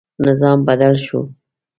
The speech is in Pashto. نظام بدل شو.